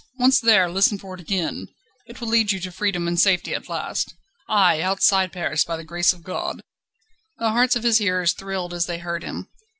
Once there, listen for it again; it will lead you to freedom and safety at last. Aye! Outside Paris, by the grace of God." The hearts of his hearers thrilled as they heard him.